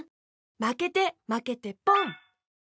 まけてまけてポン！